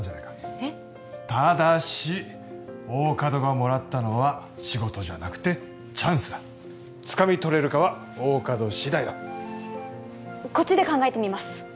えっ？ただし大加戸がもらったのは仕事じゃなくてチャンスだつかみ取れるかは大加戸次第だこっちで考えてみます